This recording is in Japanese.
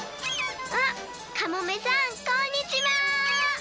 あっカモメさんこんにちは！